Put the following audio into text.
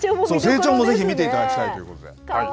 成長もぜひ見ていただきたいということです。